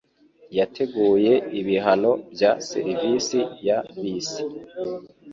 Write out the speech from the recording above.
Yateguye ibihano bya serivisi ya bisi.